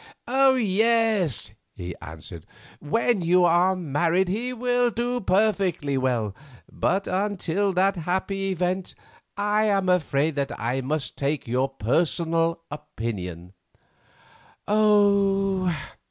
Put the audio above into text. "Yes," he answered; "when you are married he will do perfectly well, but until that happy event I am afraid that I must take your personal opinion." "Oh!